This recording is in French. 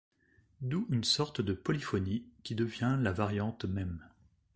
D'où une sorte de polyphonie, qui devient la variante même.